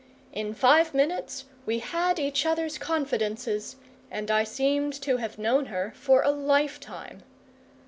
In five minutes we had each other's confidences, and I seemed to have known her for a lifetime.